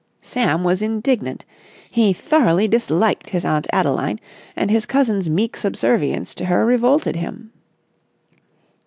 Sam was indignant. He thoroughly disliked his Aunt Adeline, and his cousin's meek subservience to her revolted him.